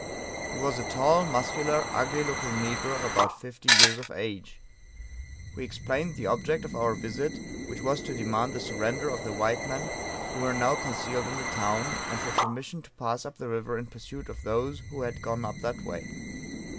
He was a tall, muscular, ugly looking negro, about fifty years of age. We explained the object of our visit, which was to demand the surrender of the white men, who were now concealed in the town, and for permission to pass up the river in pursuit of those who had gone up that way.